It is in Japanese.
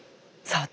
さあ